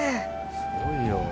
すごいよ。